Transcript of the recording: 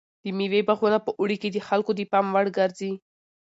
د مېوې باغونه په اوړي کې د خلکو د پام وړ ګرځي.